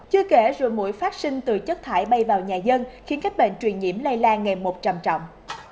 chưa kể rồi mũi phát sinh từ chất thải bay vào nhà dân khiến các bệnh truyền nhiễm lây lan ngày một trầm trọng